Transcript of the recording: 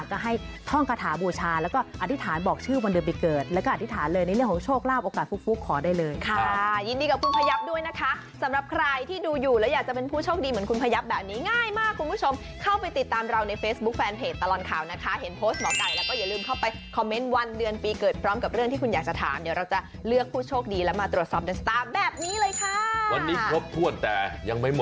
ก็ให้ท่องกระถาบูชาแล้วก็อธิษฐานบอกชื่อวันเดือนปีเกิดแล้วก็อธิษฐานเลยในเรื่องของโชคลาบโอกาสฟุกขอได้เลย